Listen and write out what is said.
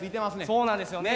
そうなんですよね。